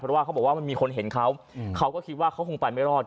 เพราะว่าเขาบอกว่ามันมีคนเห็นเขาเขาก็คิดว่าเขาคงไปไม่รอด